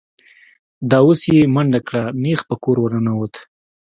دا اوس یې منډه کړه، نېغ په کور ور ننوت.